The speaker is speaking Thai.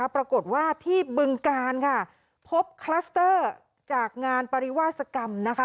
ปรากฏว่าที่บึงกาลค่ะพบคลัสเตอร์จากงานปริวาสกรรมนะคะ